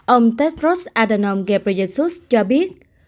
ông tedros adhanom ghebreyesus cho biết